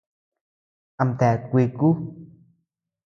Amtea kuiku.